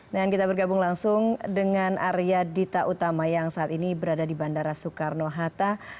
kita bergabung langsung dengan arya dita utama yang saat ini berada di bandara soekarno hatta